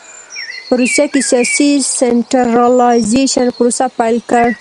په روسیه کې سیاسي سنټرالایزېشن پروسه پیل کړ.